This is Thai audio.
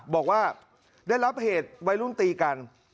บอกว่าได้รับเหตุวัยรุ่นตีกัน